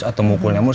atau mukulnya mulus